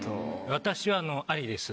私はありです。